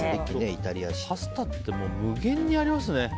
パスタって無限にありますね。